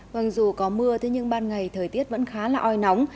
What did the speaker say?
vâng dù có mưa thế nhưng ban ngày thời tiết vẫn khá là oi nóng